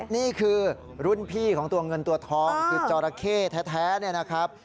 นี่คือรุ่นพี่ของตัวเงินตัวทองคือจอราเข้แท้เนี่ยนะครับ